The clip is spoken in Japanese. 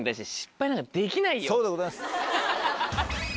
そうでございます。